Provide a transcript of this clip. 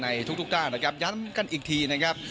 ในทุกด้านนะครับย้ำกันอีกทีนะครับ